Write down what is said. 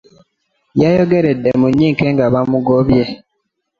Yayogeredde munyike nga bamugobye.